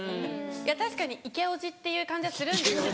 確かにイケオジっていう感じはするんですけど。